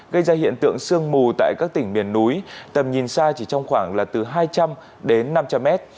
gây ra hiện tượng sương mù tại các tỉnh miền núi tầm nhìn xa chỉ trong khoảng là từ hai trăm linh đến năm trăm linh mét